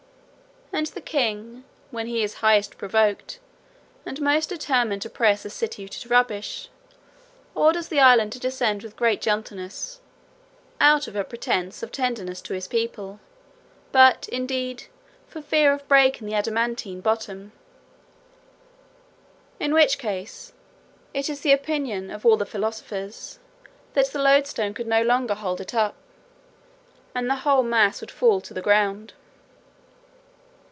And the king, when he is highest provoked, and most determined to press a city to rubbish, orders the island to descend with great gentleness, out of a pretence of tenderness to his people, but, indeed, for fear of breaking the adamantine bottom; in which case, it is the opinion of all their philosophers, that the loadstone could no longer hold it up, and the whole mass would fall to the ground.